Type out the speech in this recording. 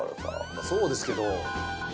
まあそうですけど。